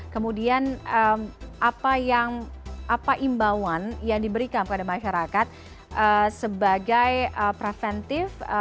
kemudian apa imbauan yang diberikan kepada masyarakat sebagai preventif